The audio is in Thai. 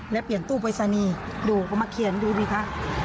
แล้วเปลี่ยนตู้ประสานีดูเขามาเขียนดูดิค่ะ